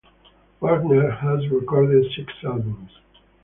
Wagner has recorded six albums.